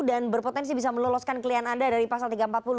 berpotensi bisa meloloskan klien anda dari pasal tiga ratus empat puluh